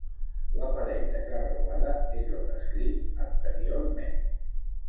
L'aparell de carreuada és el descrit anteriorment.